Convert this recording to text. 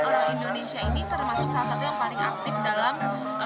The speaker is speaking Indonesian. orang indonesia ini termasuk salah satu yang paling aktif dalam